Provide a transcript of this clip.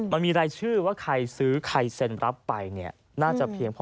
มันมีรายชื่อว่าใครซื้อใครเซ็นรับไปเนี่ยน่าจะเพียงพอ